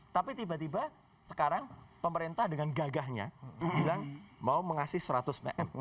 tapi tiba tiba sekarang pemerintah dengan gagahnya bilang mau mengasih seratus pm